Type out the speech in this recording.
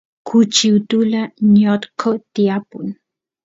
kuchi utula ñotqo tiyapun